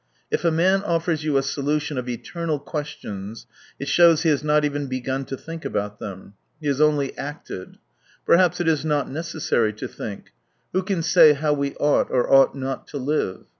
If a man offers you a solution of eternal questions, it shows he has not even begun to think about them. He has only " acted." Perhaps it is not necessary to think — who can say how we ought or ought not to live